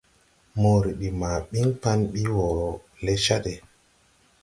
Moore ɓi ma ɓin Pan ɓi wo le Chad.